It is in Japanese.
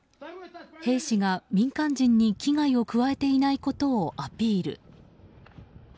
兵士が民間人に危害を加えていないことをアピール。